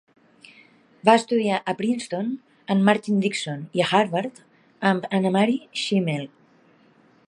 Va estudiar a Princeton amb Martin Dickson i a Harvard amb Annemarie Schimmel.